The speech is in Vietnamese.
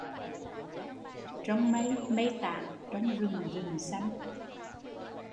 Trông mây, mây tản, trông rừng rừng xanh